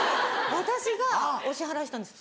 私がお支払いしたんですよ